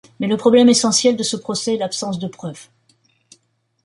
Mais le problème essentiel de ce procès est l'absence de preuve.